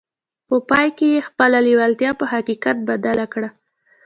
په پای کې يې خپله لېوالتیا په حقيقت بدله کړه.